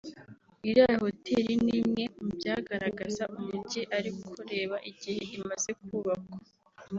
iriya Hoteli ni imwe mu byagaragaza umujyi ariko reba igihe imaze yubakwa